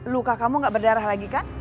luka kamu gak berdarah lagi kan